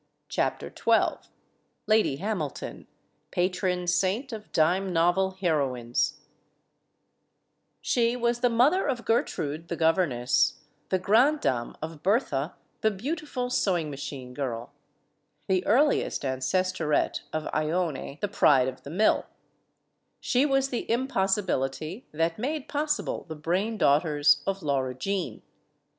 CHAPTER XII LADY HAMILTON PATRON SAINT OF DIME NOVEL HEROINES SHE was the mother of Gertrude the Governess, the granddam of Bertha the Beautiful Sewing machine Girl, the earliest ancestorette of lone, the Pride of the Mill; she was the impossibility that made pos sible the brain daughters of Laura Jean.